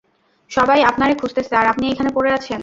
সবাই আপনারে খুঁজতেসে, আর আপনি এইখানে পড়ে আছেন?